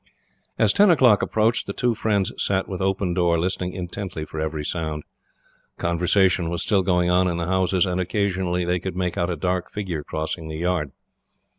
As ten o'clock approached, the two friends sat with open door, listening intently for every sound. Conversation was still going on in the houses, and occasionally they could make out a dark figure crossing the yard.